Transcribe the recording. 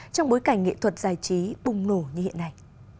trong bối cảnh nghệ thuật giải trí bùng nổ như hiện nay